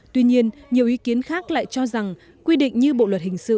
tuy nhiên nhiều ý kiến khác lại cho rằng quy định như bộ luật hình sự